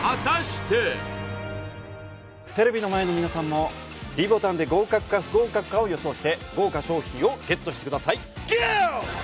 テレビの前の皆さんもｄボタンで合格か不合格かを予想して豪華賞品をＧＥＴしてくださいゴー！